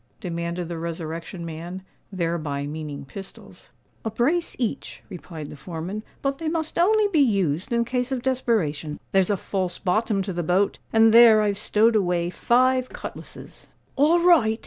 demanded the Resurrection Man, thereby meaning pistols. "A brace each," replied the foreman. "But they must only be used in case of desperation. There's a false bottom to the boat; and there I've stowed away five cutlasses." "All right!"